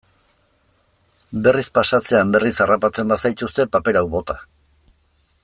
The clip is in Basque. Berriz pasatzean berriz harrapatzen bazaituzte, paper hau bota.